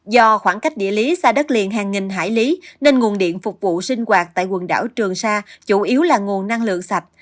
do khoảng cách địa lý xa đất liền hàng nghìn hải lý nên nguồn điện phục vụ sinh hoạt tại quần đảo trường sa chủ yếu là nguồn năng lượng sạch